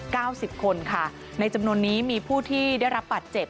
สิบคนค่ะในจำนวนนี้มีผู้ที่ได้รับบาดเจ็บ